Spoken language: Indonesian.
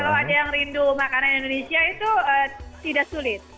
kalau ada yang rindu makanan indonesia itu tidak sulit